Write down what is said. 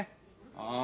ああ。